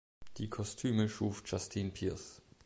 Die Kostüme schuf Justine Pearce.